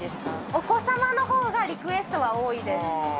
◆お子様のほうがリクエストは多いです。